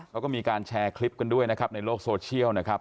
เขาก็มีการแชร์คลิปกันด้วยนะครับในโลกโซเชียลนะครับ